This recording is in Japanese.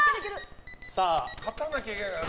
勝たなきゃいけないから。